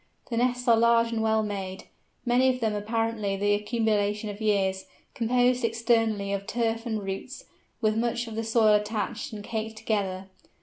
The nests are large and well made, many of them apparently the accumulation of years, composed externally of turf and roots, with much of the soil attached, and caked together.